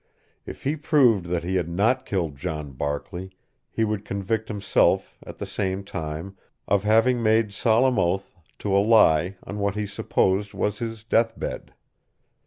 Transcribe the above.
If he proved that he had not killed John Barkley, he would convict himself, at the same time, of having made solemn oath to a lie on what he supposed was his death bed.